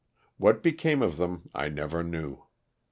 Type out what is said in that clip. What became of them I never knew.